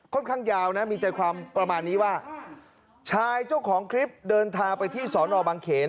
ข้างยาวนะมีใจความประมาณนี้ว่าชายเจ้าของคลิปเดินทางไปที่สอนอบังเขน